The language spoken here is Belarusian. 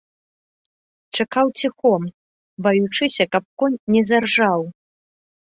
Чакаў ціхом, баючыся, каб конь не заржаў.